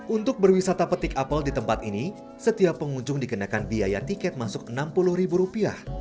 untuk berwisata petik apel di tempat ini setiap pengunjung dikenakan biaya tiket masuk rp enam puluh